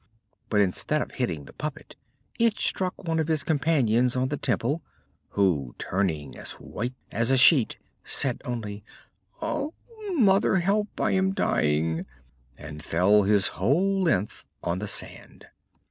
But instead of hitting the puppet it struck one of his companions on the temple, who, turning as white as a sheet, said only: "Oh, mother! help, I am dying!" and fell his whole length on the sand.